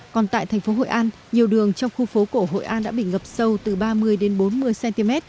còn tại thành phố hội an nhiều đường trong khu phố cổ hội an đã bị ngập sâu từ ba mươi đến bốn mươi cm